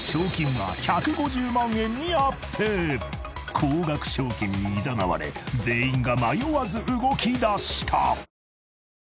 ［高額賞金にいざなわれ全員が迷わず動きだした］